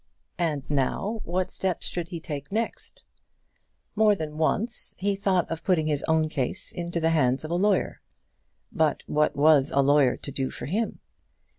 And now, what steps should he take next? More than once he thought of putting his own case into the hands of a lawyer; but what was a lawyer to do for him?